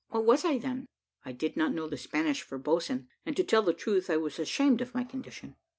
What was I then? I did not know the Spanish for boatswain, and, to tell the truth, I was ashamed of my condition.